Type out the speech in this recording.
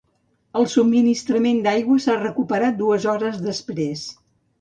El subministrament d'aigua s'ha recuperat dues hores després.